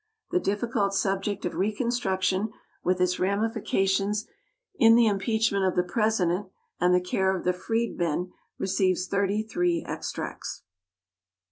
The difficult subject of reconstruction, with its ramifications in the impeachment of the President and the care of the freedmen, receives thirty three extracts.